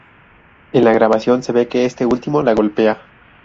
En la grabación se ve que este último la golpea.